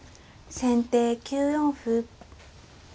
先手９四歩。